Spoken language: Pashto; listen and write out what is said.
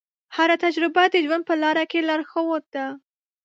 هره تجربه د ژوند په لاره کې لارښود ده.